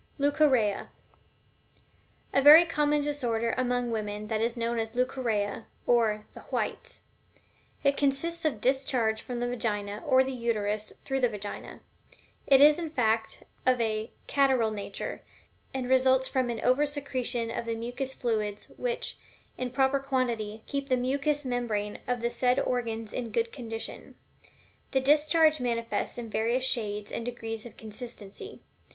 LEUCORRHEA. A very common disorder among women is that known as Leucorrhea, or "the whites." It consists of a discharge from the Vagina, or the Uterus through the Vagina. It is, in fact, of a catarrhal nature, and results from an over secretion of the mucus fluids which, in proper quantity, keep the mucus membrane of the said organs in good condition. The discharge manifests in various shades and degrees of consistency.